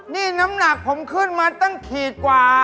นี่น้ำหนักผมขึ้นมาตั้งขีดกว่า